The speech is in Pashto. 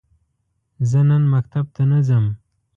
زه نن مکتب ته نه ځم.